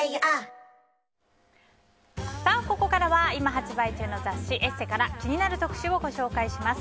ここからは今、発売中の雑誌「ＥＳＳＥ」から気になる特集をご紹介します。